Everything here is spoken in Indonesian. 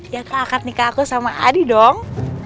ya kak akan nikah aku sama adi dong